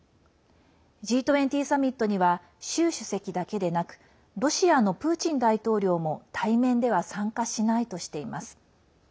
Ｇ２０サミットには習主席だけでなくロシアのプーチン大統領も対面では参加しないとしています。